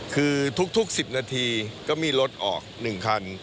คือทุก๑๐นาทีก็มีรถออก๑คัน